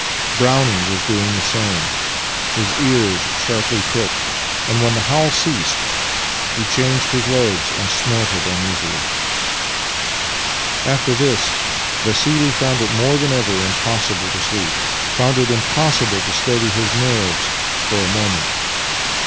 Brownie was doing the same, his ears sharply pricked, and when the howl ceased he changed his legs and snorted imeasily. After this Vassili found it more than ever impossible to sleep — found it impossible to steady his nerves for a moment.